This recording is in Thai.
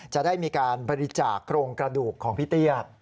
จะได้มีการบริจาคโครงกระดูกของพี่เตี้ย